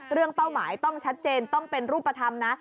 เป้าหมายต้องชัดเจนต้องเป็นรูปธรรมนะ